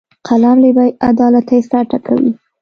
قلم له بیعدالتۍ سر ټکوي